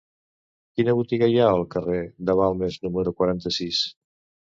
Quina botiga hi ha al carrer de Balmes número quaranta-sis?